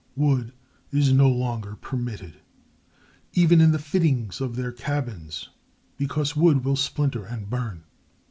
Wood is no longer permitted even in the fittings of their cabins, because wood will splinter and burn.